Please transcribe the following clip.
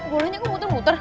bolonya kok muter muter